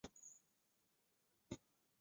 曾祖父顾仲仁。